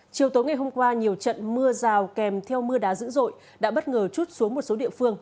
chiều tối ngày hôm qua nhiều trận mưa rào kèm theo mưa đá dữ dội đã bất ngờ chút xuống một số địa phương